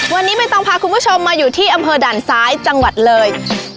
วันนี้ไม่ต้องพาคุณผู้ชมมาอยู่ที่อำเภอด่านซ้ายจังหวัดเลย